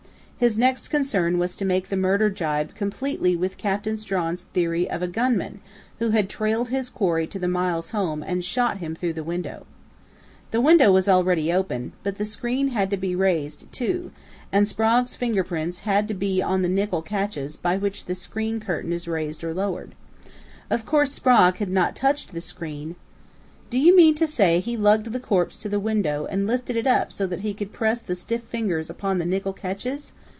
His next concern was to make the murder jibe completely with Captain Strawn's theory of a gunman who had trailed his quarry to the Miles home and shot him through the window. The window was already open, but the screen had to be raised, too, and Sprague's fingerprints had to be on the nickel catches by which the screen curtain is raised or lowered. Of course Sprague had not touched the screen " "Do you mean to say he lugged the corpse to the window and lifted it up so that he could press the stiff fingers upon the nickel catches?"